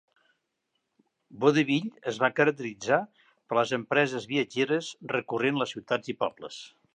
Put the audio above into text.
Vaudeville es va caracteritzar per les empreses viatgeres recorrent les ciutats i pobles.